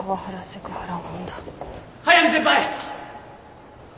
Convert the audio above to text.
・速見先輩！